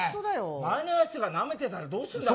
前のやつがなめてたらどうするんだよ。